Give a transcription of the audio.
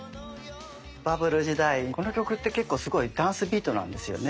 バブル時代この曲って結構すごいダンスビートなんですよね。